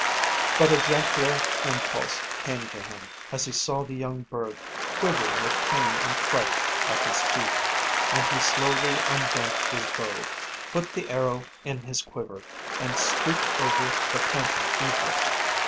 But a gentler impulse came to him as he saw the young bird quivering with pain and fright at his feet, and he slowly unbent his bow, put the arrow in his quiver, and stooped over the panting eaglet.